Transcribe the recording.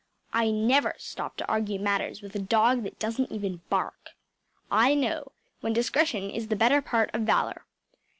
I never stop to argue matters with a dog that doesn’t bark. I know when discretion is the better part of valour.